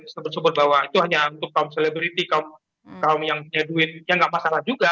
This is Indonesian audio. disebut sebut bahwa itu hanya untuk kaum selebriti kaum yang punya duitnya nggak masalah juga